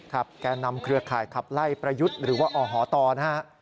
แก่นำเครือข่ายขับไล่ประยุทธ์หรือว่าอหตนะฮะ